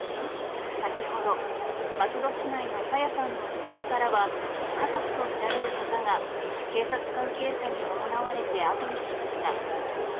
先ほど、松戸市内の朝芽さんの自宅からは、家族と見られる方が、警察関係者に伴われて後にしました。